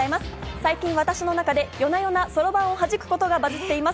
最近、私の中で夜な夜なそろばんをはじくことがバズっています。